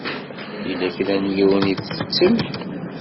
Yella kra n yiwen i itetten.